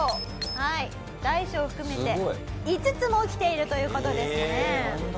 はい大小含めて５つも起きているという事ですね。